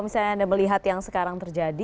bagus kalau anda melihat yang sekarang terjadi